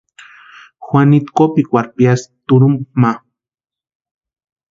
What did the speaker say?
Juanitu kopikwarhu piasti turhumpa ma.